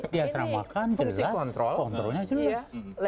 dihasramakan jelas kontrolnya jelas